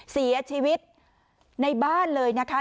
เสียชีวิตในบ้านเลยนะคะ